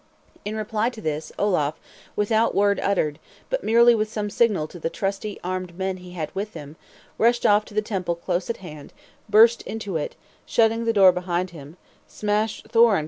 In reply to this, Olaf, without word uttered, but merely with some signal to the trusty armed men he had with him, rushed off to the temple close at hand; burst into it, shutting the door behind him; smashed Thor and Co.